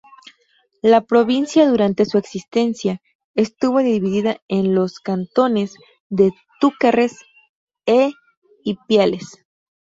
La provincia durante su existencia estuvo dividida en los cantones de Túquerres e Ipiales.